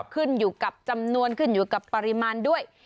ขึ้นอยู่กับจำนวนขึ้นอยู่กับปริมาณด้วย